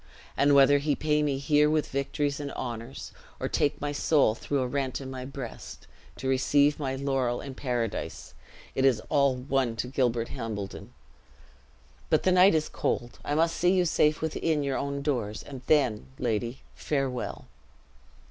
And whether he pay me here with victories and honors, or take my soul through a rent in my breast, to receive my laurel in paradise, it is all one to Gilbert Hambledon. But the night is cold: I must see you safe within your own doors, and then, lady, farewell!"